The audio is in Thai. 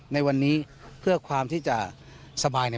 ในวันนี้เป็นเพื่อความที่จะ